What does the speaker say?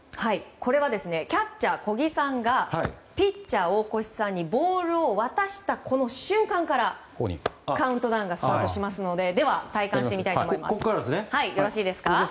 これはキャッチャー小木さんがピッチャー大越さんにボールを渡した瞬間からカウントダウンがスタートしますのででは体感してみたいと思います。